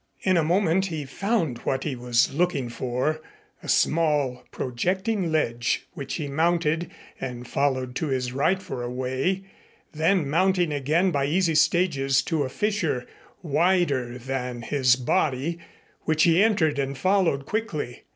In a moment he found what he was looking for, a small projecting ledge which he mounted, and followed to his right for a way, then mounting again by easy stages to a fissure wider than his body which he entered and followed quickly.